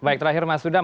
baik terakhir mas sudha